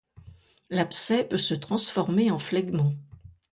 L'abcès peut se transformer en phlegmon.